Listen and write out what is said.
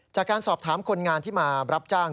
จากการสอบถามคนงานที่มารับจ้าง